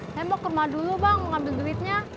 eh mau ke rumah dulu bang ngambil duitnya